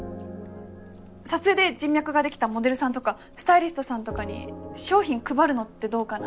撮影で人脈ができたモデルさんとかスタイリストさんとかに商品配るのってどうかな？